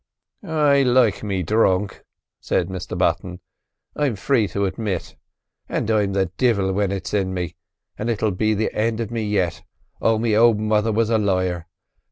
"I likes me dhrunk," said Mr Button, "I'm free to admit; an' I'm the divil when it's in me, and it'll be the end of me yet, or me ould mother was a liar.